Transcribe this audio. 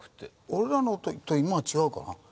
俺らの時と今は違うかな？